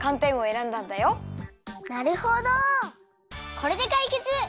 これでかいけつ！